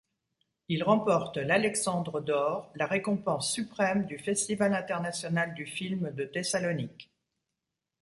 Il remporte l'Alexandre d'or, la récompense suprême du festival international du film de Thessalonique.